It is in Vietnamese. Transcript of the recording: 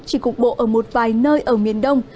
chỉ cục bộ ở một vài nơi ở miền đông